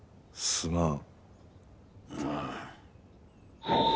すまん。